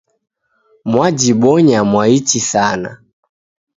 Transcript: Mwajibonya mwaichi sana.